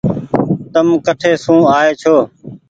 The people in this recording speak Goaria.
تم ڪٺي سون آئي ڇو۔